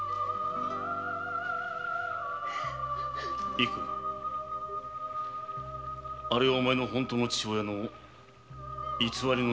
いくあれがお前の本当の父親の偽りのない姿だ。